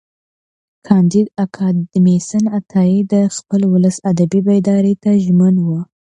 کانديد اکاډميسن عطایي د خپل ولس ادبي بیداري ته ژمن و.